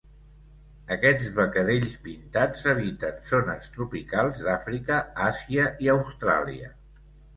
Aquests becadells pintats habiten zones tropicals d'Àfrica, Àsia i Austràlia.